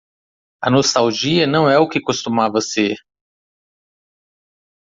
A nostalgia não é o que costumava ser.